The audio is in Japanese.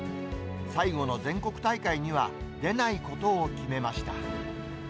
最後の全国大会には出ないことを決めました。